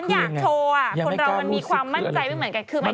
คนเรามันมีความมั่นใจไม่เหมือนกัน